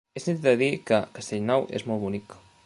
He sentit a dir que Castellnou és molt bonic.